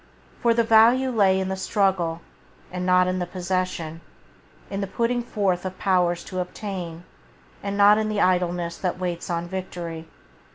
For the value lay in the struggle, and not in the possession, in the putting forth of powers to obtain, and not in the idleness that waits on victory.